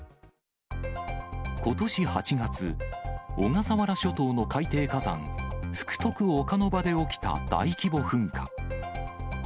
ことし８月、小笠原諸島の海底火山、福徳岡ノ場で起きた大規模噴火。